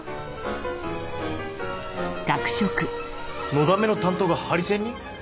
のだめの担当がハリセンに！？